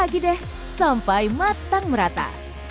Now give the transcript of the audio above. lagi deh sampai matang merata